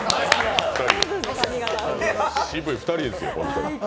渋い２人ですよ、ホントに。